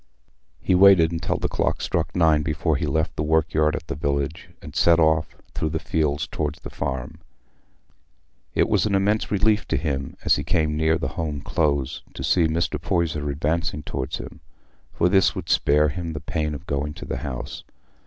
He waited until the clock struck nine before he left the work yard at the village, and set off, through the fields, towards the Farm. It was an immense relief to him, as he came near the Home Close, to see Mr. Poyser advancing towards him, for this would spare him the pain of going to the house.